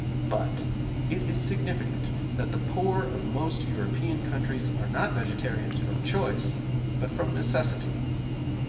But it is significant that the poor of most European countries are not vegetarians from choice but from necessity.